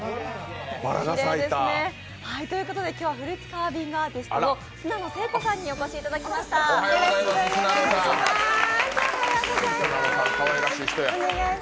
きれいですね。ということで今日はフルーツカービングアーティストの砂野聖子さんにお越しいただきました砂野さん、かわいらしい人や。